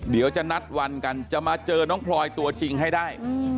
เดี๋ยวจะนัดวันกันจะมาเจอน้องพลอยตัวจริงให้ได้